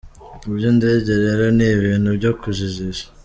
Iby’indege rero ni ibintu byo kujijisha.